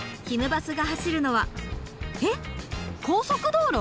バスが走るのはえっ高速道路？